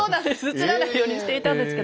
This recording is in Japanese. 写らないようにしていたんですけど。